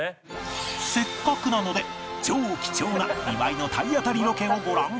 せっかくなので超貴重な岩井の体当たりロケをご覧ください